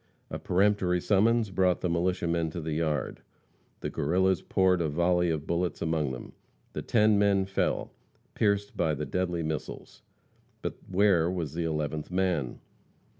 A peremptory summons brought the militiamen to the yard. The Guerrillas poured a volley of bullets among them. The ten men fell, pierced by the deadly missiles. But where was the eleventh man?